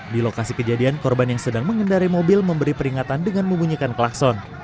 di lokasi kejadian korban yang sedang mengendari mobil memberi peringatan dengan membunyikan klakson